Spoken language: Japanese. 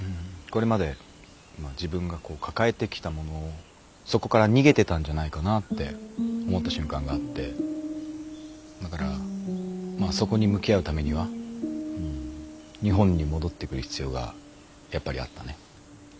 これまで自分が抱えてきたものをそこから逃げてたんじゃないかなって思った瞬間があってだからそこに向き合うためには日本に戻ってくる必要がやっぱりあったね。